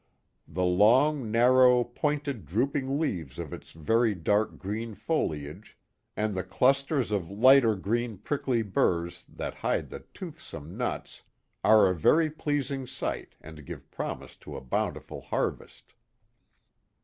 The long, narrow, pointed, drooping leaves of its very dark green foliage and the clusters of ligliter green prickly burrs that hide the toothsome nuts are a very pleasing sight and give promise of a bountiful harvest.